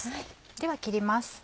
では切ります。